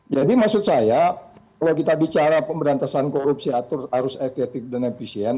jadi maksud saya kalau kita bicara pemberantasan korupsi atur harus efektif dan efisien